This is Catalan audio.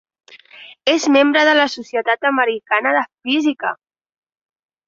És membre de la Societat Americana de Física.